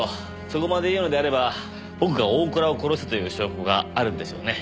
そこまで言うのであれば僕が大倉を殺したという証拠があるんでしょうね。